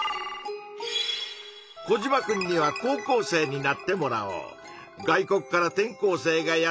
コジマくんには高校生になってもらおう。